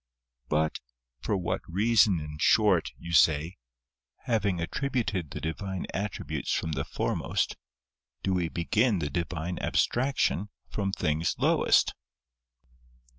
But, for what reason in short, you say, having attributed the Divine attributes from the foremost, do we begin the Divine abstraction from things lowest?